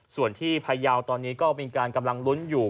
ส่วนที่พยาวตอนนี้ก็มีการกำลังลุ้นอยู่